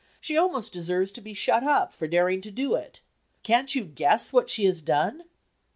"She almost deserves to be shut up, for daring to do it. Can't you guess what she has done?"